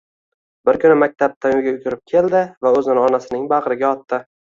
Bir kuni maktabdan uyga yugurib keldi va o`zini onasining bag`riga otdi